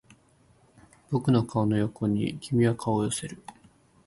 僕の顔の横に君は顔を寄せる